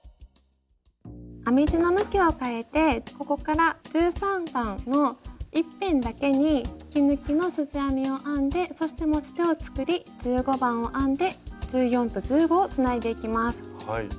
編み地の向きを変えてここから１３番の１辺だけに引き抜きのすじ編みを編んでそして持ち手を作り１５番を編んで１４と１５をつないでいきます。